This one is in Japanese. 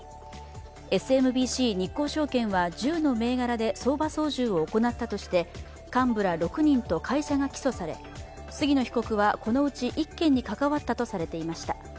ＳＭＢＣ日興証券は１０の銘柄で相場操縦を行ったとして幹部ら６人と会社が起訴され杉野被告は、このうち１件に関わったとされていました。